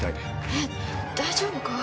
えっ大丈夫か？